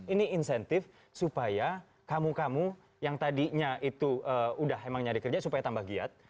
ini insentif supaya kamu kamu yang tadinya itu udah emang nyari kerja supaya tambah giat